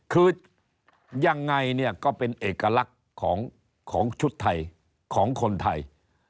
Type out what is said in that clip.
คือยังไงเนี่ยก็เป็นเอกลักษณ์ของชุดไทยของคนไทย